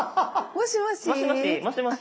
もしもし。